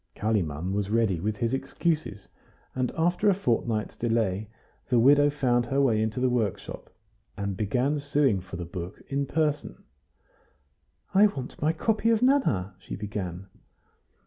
Kalimann was ready with his excuses, and after a fortnight's delay the widow found her way into the workshop, and began suing for the book in person. "I want my copy of 'Nana,'" she began.